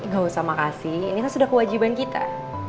gak usah makan ini kan sudah kewajiban kita